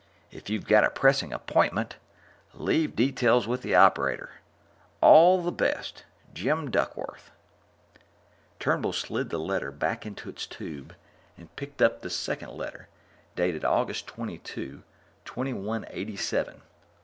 If you've got a pressing appointment, leave details with the operator. All the best, Jim Duckworth Turnbull slid the letter back into its tube and picked up the second letter, dated 22 August 2187, one day later.